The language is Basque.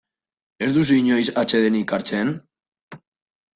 Ez duzu inoiz atsedenik hartzen?